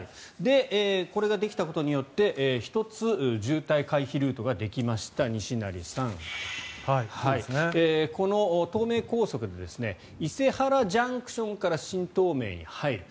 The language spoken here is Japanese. これができたことによって１つ渋滞回避ルートができました西成さん、この東名高速の伊勢原ＪＣＴから新東名に入る。